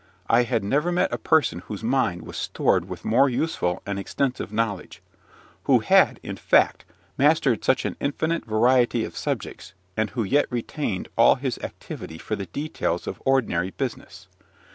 I had never met a person whose mind was stored with more useful and extensive knowledge, who had, in fact, mastered such an infinite variety of subjects, and who yet retained all his activity for the details of ordinary business.